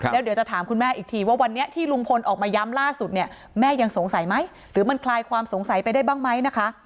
แล้วเดี๋ยวจะถามคุณแม่อีกทีว่าวันนี้ที่ลุงพลออกมาย้ำล่าสุดเนี่ยแม่ยังสงสัยไหมหรือมันคลายความสงสัยไปได้บ้างไหมนะคะ